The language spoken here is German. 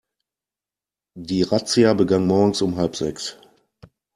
Die Razzia begann morgens um halb sechs.